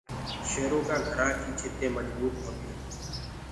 شيرو ڪآ گھرآ ڪي ڇتينٚ مجبوت هونديونٚ هينٚ۔